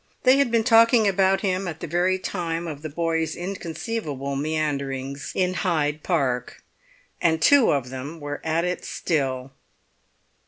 They had been talking about him at the very time of the boy's inconceivable meanderings in Hyde Park. And two of them were at it still.